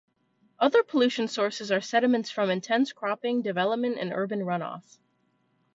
Other pollution sources are sediments from intense cropping, development, and urban runoff.